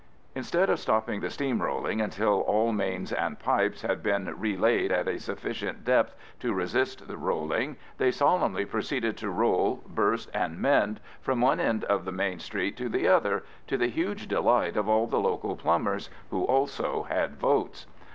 Instead of stopping the steam rolling until all mains and pipes had been relaid at a sufficient depth to resist the rolling, they solemnly proceeded to roll, burst, and mend from one end of the main street to the other, to the huge delight of all the local plumbers, who also had votes.